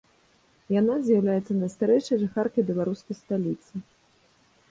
Яна з'яўляецца найстарэйшай жыхаркай беларускай сталіцы.